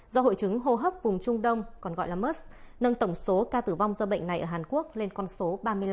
do hội chứng hô hấp vùng trung đông còn gọi là mus nâng tổng số ca tử vong do bệnh này ở hàn quốc lên con số ba mươi năm